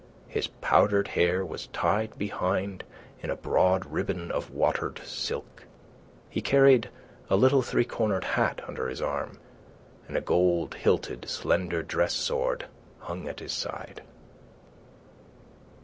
His powdered hair was tied behind in a broad ribbon of watered silk; he carried a little three cornered hat under his arm, and a gold hilted slender dress sword hung at his side.